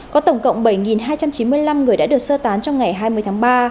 có tổng cộng bảy hai trăm chín mươi năm người đã được sơ tán trong ngày hai mươi tháng ba